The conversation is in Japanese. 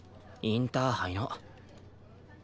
インターハイの。